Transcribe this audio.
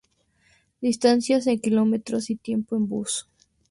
Distancias en kilómetros y tiempo en bus.